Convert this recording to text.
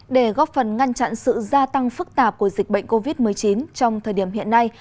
để góp phần ngăn chặn sự gia tăng phức tạp của dịch bệnh covid một mươi chín trong thời điểm hiện nay